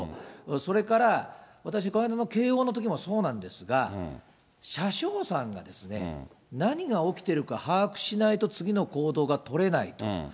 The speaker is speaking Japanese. それから、私、この間の京王のときもそうなんですが、車掌さんが何が起きてるか把握しないと次の行動が取れないと。